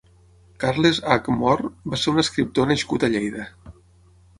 Carles Hac Mor va ser un escriptor nascut a Lleida.